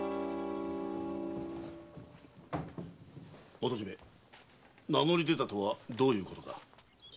元締名乗り出たとはどういうことだ？